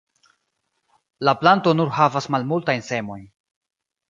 La planto nur havas malmultajn semojn.